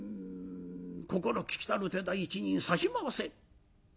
「心利きたる手代一人差し回せ」。